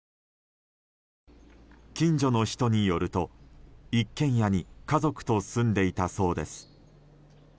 近所の人によると、一軒家に家族と住んでいたそうです。